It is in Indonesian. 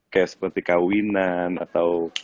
kayak seperti kawinan atau